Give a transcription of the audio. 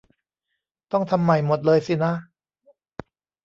ต้องทำใหม่หมดเลยสินะ